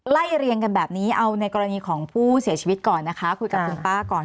เรียงกันแบบนี้เอาในกรณีของผู้เสียชีวิตก่อนนะคะคุยกับคุณป้าก่อน